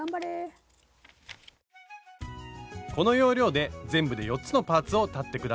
この要領で全部で４つのパーツを裁って下さい。